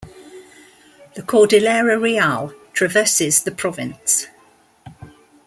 The Cordillera Real traverses the province.